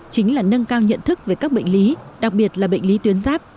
chính là nâng cao nhận thức về các bệnh lý đặc biệt là bệnh lý tuyến giáp